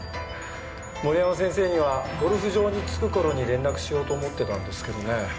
森山先生にはゴルフ場に着く頃に連絡しようと思ってたんですけどね。